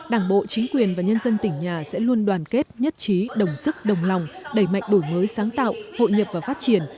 đảng bộ chính quyền và nhân dân tỉnh nhà sẽ luôn đoàn kết nhất trí đồng sức đồng lòng đẩy mạnh đổi mới sáng tạo hội nhập và phát triển